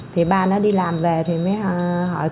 thì ba nó đi làm về thì mới hỏi